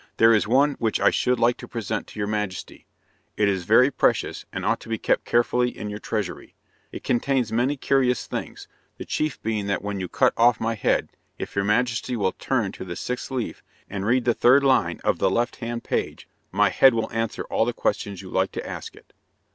There is one which I should like to present to your majesty. It is very precious, and ought to be kept carefully in your treasury. It contains many curious things the chief being that when you cut off my head, if your majesty will turn to the sixth leaf, and read the third line of the left hand page, my head will answer all the questions you like to ask it."